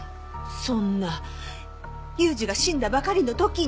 そんな裕二が死んだばかりの時に。